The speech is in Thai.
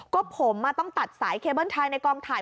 ก็ผมต้องตัดสายเคเบิ้ลไทยในกองถ่าย